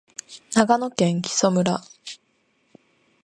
長野県木祖村